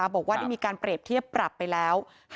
บอกว่าได้มีการเปรียบเทียบปรับไปแล้ว